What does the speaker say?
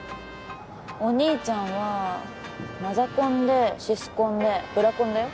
お兄ちゃんはマザコンでシスコンでブラコンだよ？